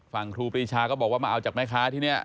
ครูปรีชาก็บอกว่ามาเอาจากแม่ค้าที่นี่